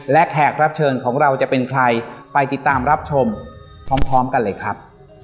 และแขกรับเชิญของเราจะเป็นใครไปติดตามรับชมพร้อมกันเลยครับ